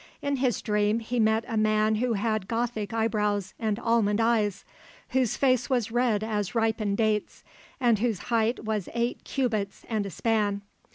In his dream he met a man who had Gothic eyebrows and almond eyes, whose face was red as ripened dates, and whose height was eight cubits and a span.